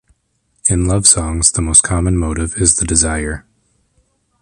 In love songs the most common motive is the desire.